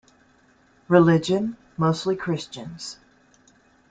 Religion: Mostly Christians.